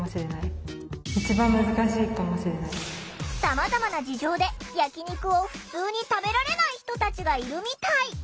さまざまな事情で焼き肉を「ふつう」に食べられない人たちがいるみたい。